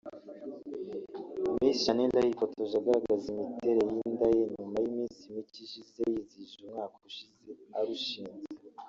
Miss Shanel yifotoje agaragaza imiterere y’inda ye nyuma y’iminsi mike ishize yizihije umwaka ushize arushinze